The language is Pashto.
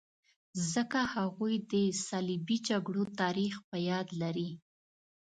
ځکه هغوی د صلیبي جګړو تاریخ په یاد لري.